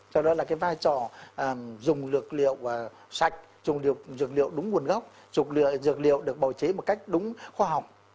cho đó là vai trò dùng lược liệu sạch dùng lược liệu đúng nguồn gốc dùng lược liệu được bảo chế một cách đúng khoa học